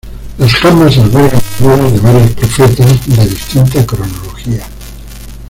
Las jambas albergan figuras de varios profetas de distinta cronología.